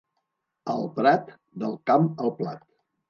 Al Prat, del camp al plat.